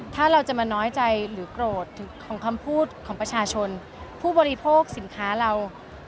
ถ้าเราจะมาน้อยใจหรือโกรธของคำพูดของประชาชนผู้บริโภคสินค้าเรา